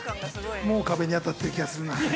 ◆もう壁に当たってる気がするな。